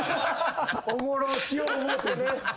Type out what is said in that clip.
おもろうしよう思うてね。